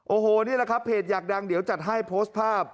โอ้โหนี่แหละครับเพจอยากดังเดี๋ยวจัดให้โพสต์ภาพ